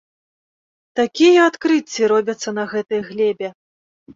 Такія адкрыцці робяцца на гэтай глебе!